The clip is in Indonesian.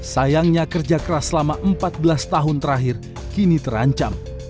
sayangnya kerja keras selama empat belas tahun terakhir kini terancam